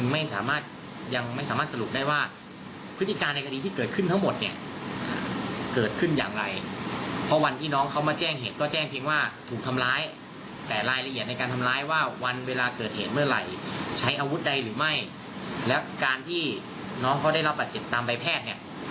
ไม่และการที่น้องเขาได้รับปัจจิตตามใบแพทย์